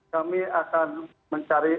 kami akan mencari